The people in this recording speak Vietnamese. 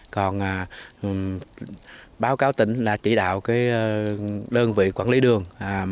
còn báo cáo tỉnh là chỉ đạo đơn vị quản lý đường